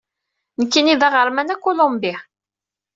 Nekkini d aɣerman akulumbi.